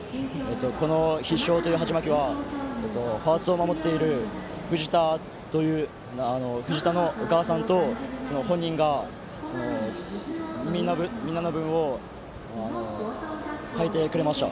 この必勝という、はちまきはファーストを守っている藤田のお母さんと本人が、みんなの分を書いてくれました。